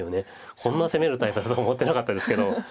こんな攻めるタイプだと思ってなかったですけど。